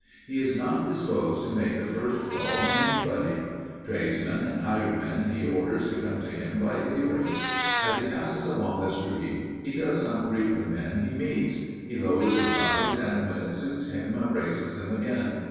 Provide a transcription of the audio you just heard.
He is not disposed to make the first call on anybody. Tradesmen and hired men he orders to come to him by daybreak. As he passes along the street, he does not greet the men he meets; he lowers his eyes and when it suits him raises them again.